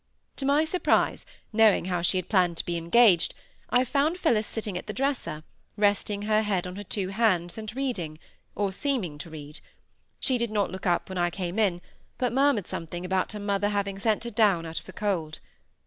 To my surprise, knowing how she had planned to be engaged, I found Phillis sitting at the dresser, resting her head on her two hands and reading, or seeming to read. She did not look up when I came in, but murmured something about her mother having sent her down out of the cold.